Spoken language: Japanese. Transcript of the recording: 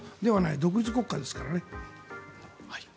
独立国家ですからね。